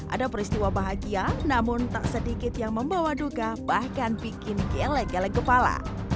ada peristiwa bahagia namun tak sedikit yang membawa duga bahkan bikin gele gele kepala